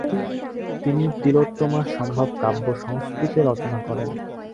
তিনি 'তিলোত্তমাসম্ভব কাব্য' সংস্কৃতে রচনা করেন।